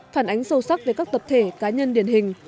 phản ánh sâu sắc về các tập thể cá nhân điển hình